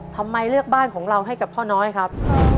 ทำไมเลือกบ้านของเราให้กับพ่อน้อยครับ